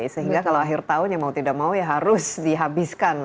sehingga kalau akhir tahun ya mau tidak mau ya harus dihabiskan